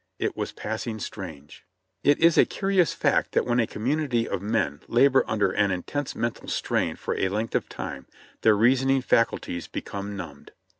It was passing strange. It is a curious fact that when a community of men labor under an intense mental strain for a length of time, their reasoning faculties become numbed.